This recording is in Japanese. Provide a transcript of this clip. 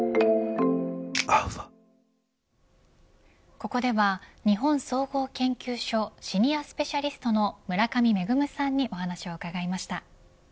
ここでは日本総合研究所シニアスペシャリストの村上芽さんにお話を伺いました。